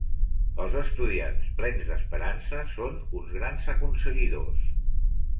Els estudiants plens d'esperança són uns grans aconseguidors.